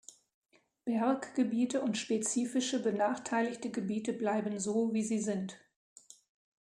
Berggebiete und spezifische benachteiligte Gebiete bleiben so, wie sie sind.